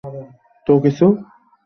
তো, কিছু চিনতে পেরেছো?